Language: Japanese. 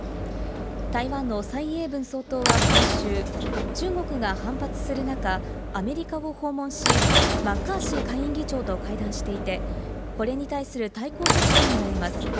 台湾のサイ・エイブン総統は今週、中国が反発する中、アメリカを訪問し、マッカーシー下院議長と会談していて、これに対する対抗措置とみられます。